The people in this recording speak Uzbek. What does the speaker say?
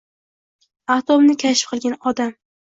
Atomni kashf qilgan odam